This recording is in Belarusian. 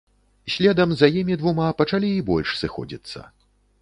Следам за імі двума пачалі і больш сыходзіцца.